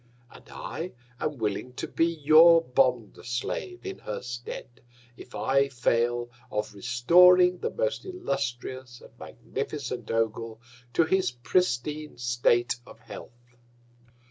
And I am willing to be your Bond slave in her Stead, if I fail of restoring the most illustrious and magnificent Ogul to his pristine State of Health.